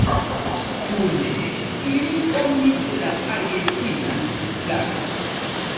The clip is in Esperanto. Kune ili formis la argentinan flagon.